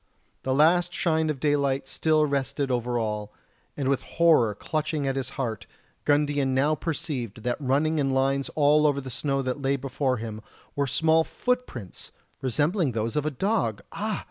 A last shine of daylight still rested over all, and with horror clutching at his heart Gundian now perceived that running in lines all over the snow that lay before him were small footprints resembling those of a dog! Ah!